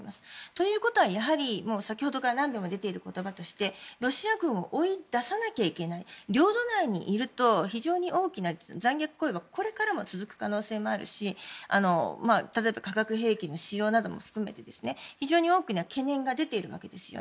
ということは先ほどから何度も出ている言葉としてロシア軍を追い出さなきゃいけない領土内にいると非常に大きな残虐行為がこれからも続く可能性もあるし、例えば化学兵器の使用なども含めて非常に大きな懸念が出ているわけです。